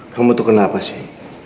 kamu tuh kenapa sih